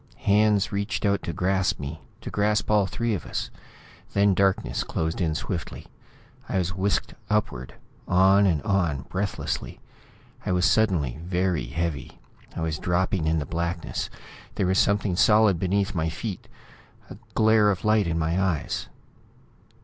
Hands reached out to grasp me; to grasp all three of us. Then darkness closed in swiftly; I was whisked upward, on and on, breathlessly. I was suddenly very heavy; I was dropping in the blackness ... there was something solid beneath my feet ... a glare of light in my eyes.